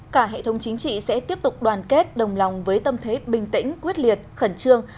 cả hệ thống chính trị sẽ tiếp tục đoàn kết đồng lòng với tâm thế bình tĩnh quyết liệt khẩn trương